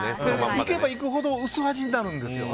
行けば行くほど薄味になるんですよ。